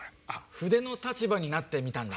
ふでの立場になってみたんだ。